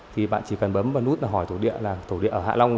thì bạn chỉ cần bấm vào nút hỏi thổ địa là thổ địa ở hạ long